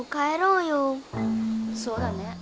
そうだね。